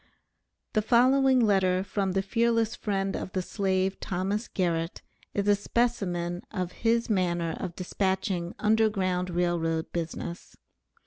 The following letter from the fearless friend of the slave, Thomas Garrett, is a specimen of his manner of dispatching Underground Rail Road business.